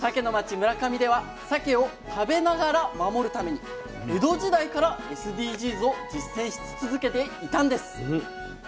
村上ではさけを食べながら守るために江戸時代からＳＤＧｓを実践し続けていたんです。